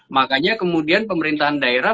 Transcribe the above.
makanya kemudian pemerintahan daerah